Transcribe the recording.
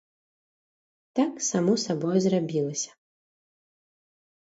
Так само сабою зрабілася.